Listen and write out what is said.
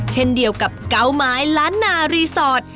เช่นเดียวกับเกาไม้ล้านนารีสอร์ท